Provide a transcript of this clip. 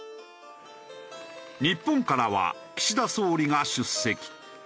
日本からは岸田総理が出席。